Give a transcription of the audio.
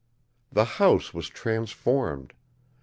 The house was transformed.